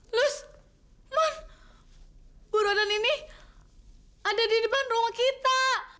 lus mon boronan ini ada di depan rumah kita